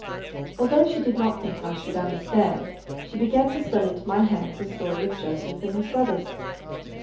Although she did not think I should understand, she began to spell into my hand the story of Joseph and his brothers.